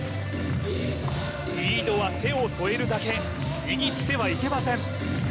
リードは手を添えるだけ握ってはいけません